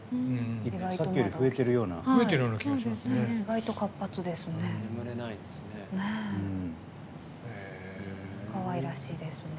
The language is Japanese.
意外と活発ですね。